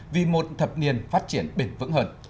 vì một thập niên phát triển bền vững hơn